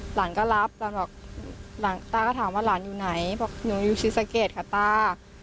หลานก็รับตาก็ถามว่าหลานอยู่ไหนบอกหนูอยู่ศิษฐกิจค่ะตา